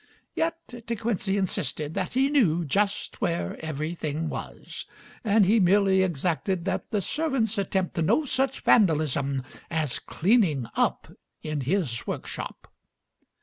Yet De Quincey insisted that he knew "just where everything was," and he merely exacted that the servants attempt no such vandalism as "cleaning up" in his workshop.